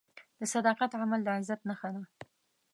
د صداقت عمل د عزت نښه ده.